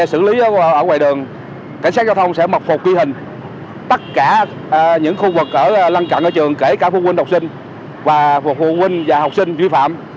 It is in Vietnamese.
hạn chế xử lý ở ngoài đường cảnh sát giao thông sẽ mọc phục quy hình tất cả những khu vực ở lăng cận ở trường kể cả phụ huynh độc sinh và phụ huynh và học sinh vi phạm